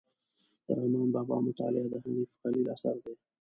د رحمان بابا مطالعه د حنیف خلیل اثر دی.